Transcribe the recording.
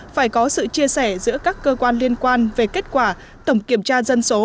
phải có sự chia sẻ giữa các cơ quan liên quan về kết quả tổng kiểm tra dân số